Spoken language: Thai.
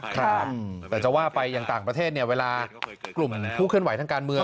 ครับแต่จะว่าไปอย่างต่างประเทศเนี่ยเวลากลุ่มผู้เคลื่อนไหวทางการเมือง